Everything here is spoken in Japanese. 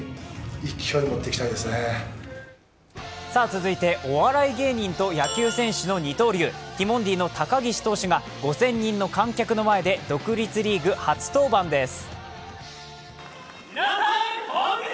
続いて、お笑い芸人と野球選手の二刀流、ティモンディの高岸投手が５０００人の観客の前で独立リーグ初登板です。